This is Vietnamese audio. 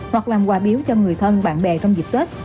hoặc làm quà biếu cho người thân bạn bè trong dịp tết